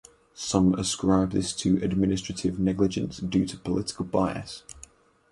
Some ascribe this to administrative negligence due to political bias.